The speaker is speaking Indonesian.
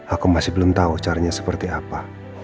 aku masih belum tahu caranya seperti apa